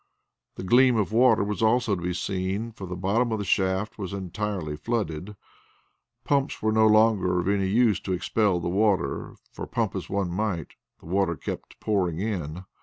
The gleam of water was also to be seen, for the bottom of the shaft was entirely flooded. Pumps were no longer of any use to expel the water, for pump as one might, the water kept pouring in.